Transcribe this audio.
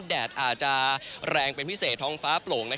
แดดอาจจะแรงเป็นพิเศษท้องฟ้าโปร่ง